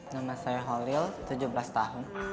nama saya holil tujuh belas tahun